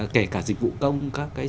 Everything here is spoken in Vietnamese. kể cả dịch vụ công các cái